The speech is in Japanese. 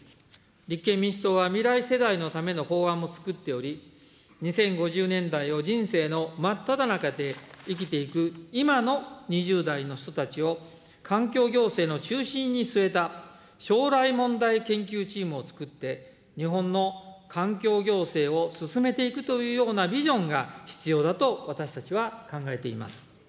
立憲民主党は未来世代のための法案も作っており、２０５０年代を人生の真っただ中で生きていく今の２０代の人たちを、環境行政の中心に据えた将来問題研究チームを作って、日本の環境行政を進めていくというようなビジョンが必要だと私たちは考えています。